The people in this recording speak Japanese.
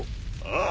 ああ！